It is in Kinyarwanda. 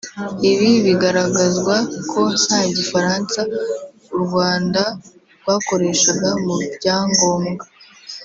Ibi bigaragazwa ko nta Gifaransa u Rwanda rwakoreshaga mu byangombwa